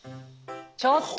ちょっと！